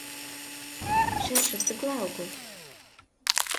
— Шерже тыглай огыл!